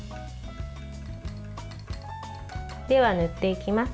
では、塗っていきます。